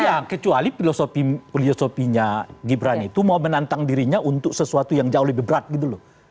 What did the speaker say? iya kecuali filosofinya gibran itu mau menantang dirinya untuk sesuatu yang jauh lebih berat gitu loh